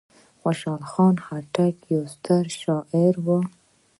خوشحال خان خټک یو ستر شاعر و.